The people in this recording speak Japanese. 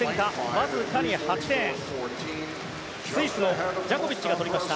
まず、８レーンスイスのジャコビッチが取りました。